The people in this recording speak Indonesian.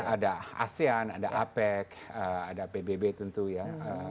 ada asean ada apec ada pbb tentu ya